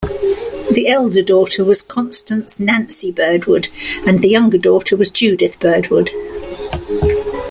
The elder daughter was Constance 'Nancy' Birdwood, and the younger daughter was Judith Birdwood.